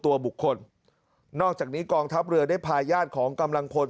ตัวบุคคลนอกจากนี้กองทัพเรือได้พาญาติของกำลังพล